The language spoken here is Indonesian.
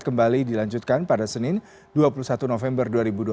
kembali dilanjutkan pada senin dua puluh satu november dua ribu dua puluh